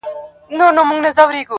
د هر ښار په جنایت کي به شامل وو!!